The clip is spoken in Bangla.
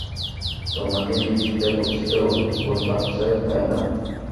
তোমাকে গিফট দিতে বলছি যে, উদ্ভুত লাগছে তাই না?